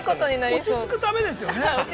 ◆落ち着くためですよね。